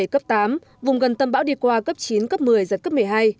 cấp tám vùng gần tâm bão đi qua cấp chín cấp một mươi giật cấp một mươi hai